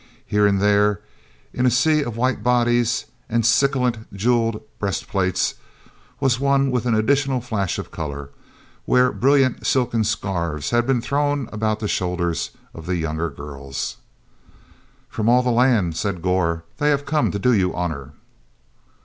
Here and there, in the sea of white bodies and scintillant jeweled breast plates, was one with an additional flash of color, where brilliant silken scarves had been thrown about the shoulders of the younger girls. "From all the land," said Gor, "they have come to do you honor."